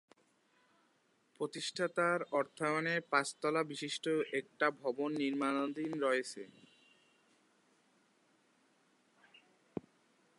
প্রতিষ্ঠাতার অর্থায়নে পাঁচতলা বিশিষ্ট একটা ভবন নির্মাণাধীন রয়েছে।